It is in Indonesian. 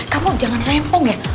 kamu jangan rempong ya